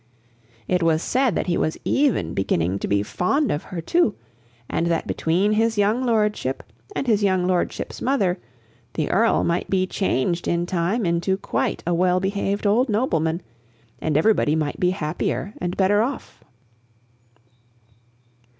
It was said that he was even beginning to be fond of her, too, and that between his young lordship and his young lordship's mother, the Earl might be changed in time into quite a well behaved old nobleman, and everybody might be happier and better off.